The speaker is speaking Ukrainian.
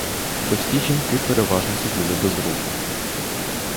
Товсті жінки переважно сиділи без руху.